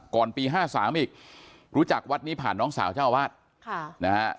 ก่อนปี๕๓อีกรู้จักวัดนี้ผ่านน้องสาวเจ้าอาวาสค่ะนะฮะ